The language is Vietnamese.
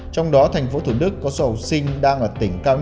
trong đó tp thủ đức có số học sinh đang bị nhiễm bệnh